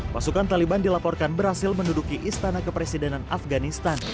pasukan taliban dilaporkan berhasil menduduki istana kepresidenan afganistan